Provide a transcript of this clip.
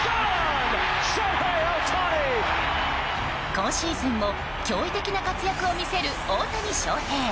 今シーズンも驚異的な活躍を見せる大谷翔平。